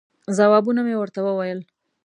ځوابونه مې ورته وویل.